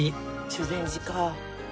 修禅寺か。